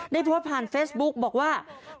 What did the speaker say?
ได้โพสต์ผ่านเฟซบุ๊กบอกว่า